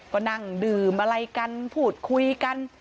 ก็นั่งดื่มอะไรกันพูดคุยกัน